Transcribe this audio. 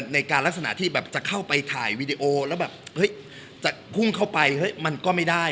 ในการลักษณะที่แบบจะเข้าไปถ่ายวีดีโอแล้วแบบเฮ้ยจะพุ่งเข้าไปมันก็ไม่ได้